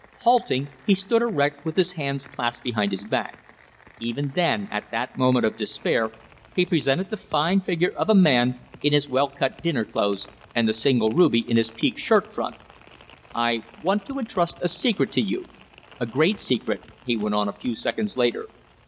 Halting, he stood erect with his hands clasped behind his back. Even then, at that moment of despair, he presented the fine figure of a man in his well cut dinner clothes and the single ruby in his piqué shirt front. "I want to entrust a secret to you a great secret," he went on a few seconds later.